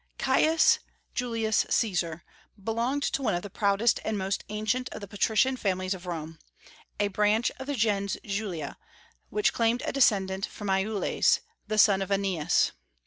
Caius Julius Caesar belonged to one of the proudest and most ancient of the patrician families of Rome, a branch of the gens Julia, which claimed a descent from Iules, the son of Aeneas.